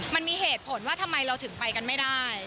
มันมีเหตุผลว่าทำไมเราถึงไปกันไม่ได้